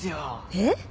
えっ！？